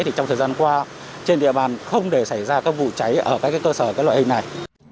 thì trong thời gian qua trên địa bàn không để xảy ra các vụ cháy ở các cơ sở các loại hình này